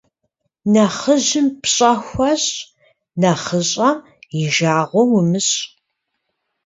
Нэхъыжьым пщӀэ хуэщӀ, нэхъыщӀэм и жагъуэ умыщӀ.